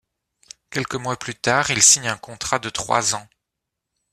Quelques mois plus tard, il signe un contrat de trois ans.